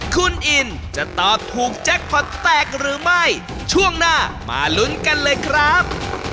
คุณอินจะตอบถูกแจ็คพอร์ตแตกหรือไม่ช่วงหน้ามาลุ้นกันเลยครับ